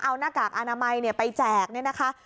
เอาหน้ากากอนามัยไปแจก